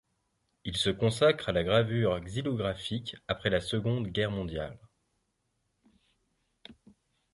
Il se consacre à la gravure xylographique après la seconde Guerre mondiale.